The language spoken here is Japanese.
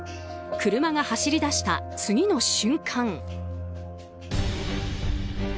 車が走り出した次の瞬間。